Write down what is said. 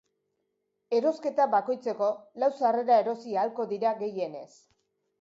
Erosketa bakoitzeko, lau sarrera erosi ahalko dira gehienez.